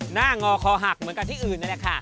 งอคอหักเหมือนกับที่อื่นนั่นแหละค่ะ